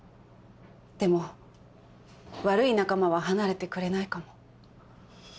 でも悪い仲間は離れてくれないかも。